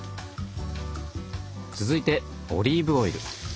続いてオリーブオイル。